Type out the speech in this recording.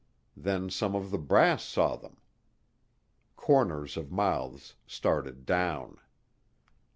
Then some of the brass saw them. Corners of mouths started down.